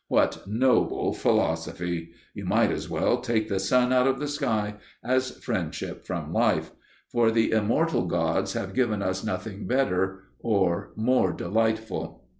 What noble philosophy! You might just as well take the sun out of the sky as friendship from life; for the immortal gods have given us nothing better or more delightful.